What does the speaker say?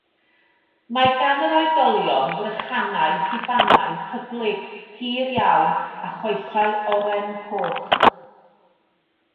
Mae gan yr oedolion frychanau rhubanaidd hyblyg, hir iawn a choesau oren-coch.